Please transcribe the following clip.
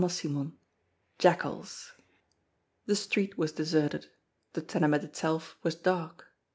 XIX JACKALS THE street was deserted. The tenement itself was dark.